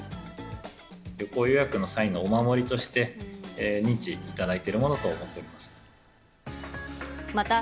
旅行予約の際のお守りとして、認知いただいているものと思っております。